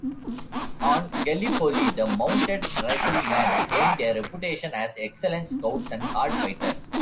On Gallipoli the mounted riflemen gained a reputation as excellent scouts and hard fighters.